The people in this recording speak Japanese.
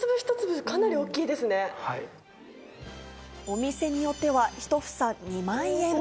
お店によっては１房２万円。